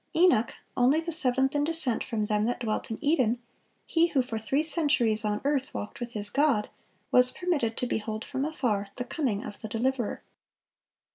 Enoch, only the seventh in descent from them that dwelt in Eden, he who for three centuries on earth walked with his God, was permitted to behold from afar the coming of the Deliverer.